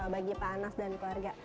bagi pak anas dan keluarga